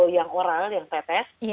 yang oral yang tetes